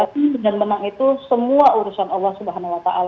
pintes dan pemenang itu semua urusan allah swt